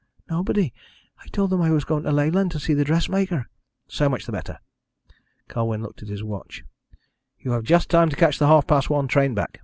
"Nobody. I told them I was going to Leyland to see the dressmaker." "So much the better." Colwyn looked at his watch. "You have just time to catch the half past one train back.